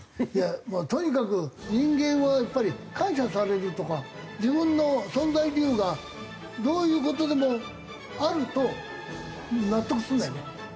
とにかく人間はやっぱり感謝されるとか自分の存在理由がどういう事でもあると納得するんだよね。